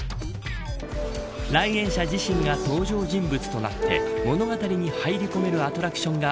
来園者自身が登場人物となって物語に入り込めるアトラクションが